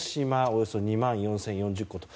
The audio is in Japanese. およそ２万４０４０戸と。